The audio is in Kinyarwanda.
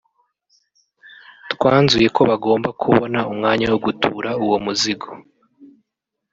twanzuye ko bagomba kubona umwanya wo gutura uwo muzigo